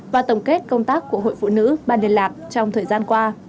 và tổng kết công tác của hội phụ nữ ban liên lạc trong thời gian qua